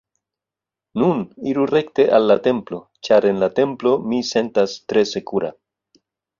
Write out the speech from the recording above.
Nun, iru rekte al la templo, ĉar en la templo, mi sentas tre sekura.